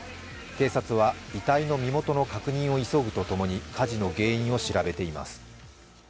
警察は遺体の身元の確認を急ぐとともに火事の原因を調べています。